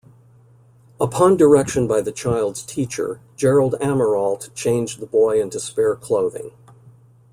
Upon direction by the child's teacher, Gerald Amirault changed the boy into spare clothing.